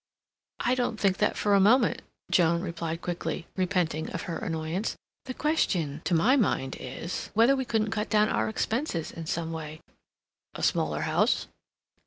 "I don't think that for a moment," Joan replied quickly, repenting of her annoyance. "The question, to my mind, is, whether we couldn't cut down our expenses in some way." "A smaller house?"